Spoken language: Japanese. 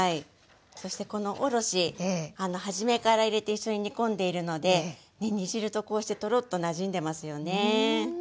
そしてこのおろし初めから入れて一緒に煮込んでいるのでねっ煮汁とこうしてトロッとなじんでますよね。